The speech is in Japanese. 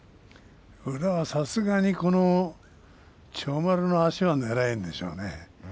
宇良は、さすがに千代丸の足はねらえんでしょうね